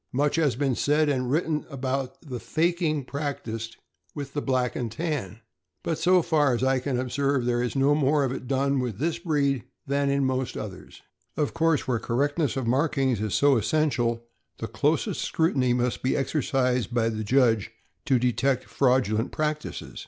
Much has been said and written about the faking prac ticed with the Black and Tan, but so far as I can observe, 494 THE AMERICAN BOOK OF THE DOG. there is no more of it done in this breed than in most others. Of course, where correctness of markings is so essential, the closest scrutiny must be exercised by the judge to detect fraudulent practices.